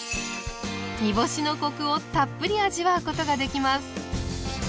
煮干しのコクをたっぷり味わうことができます。